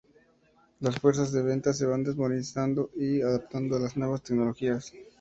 Las fuerzas de ventas se van modernizando y adaptando a las nuevas tecnologías.